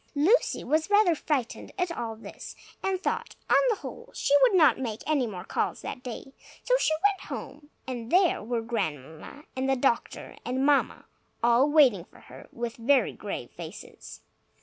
Lucy was rather frightened at all this, and thought, on the whole, she would not make any more calls that day. So she went home. And there were Grandmamma and the doctor and Mamma, all waiting for her, with very grave faces.